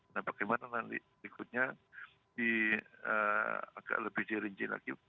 nah bagaimana nanti ikutnya di agak lebih jaring jaring lagi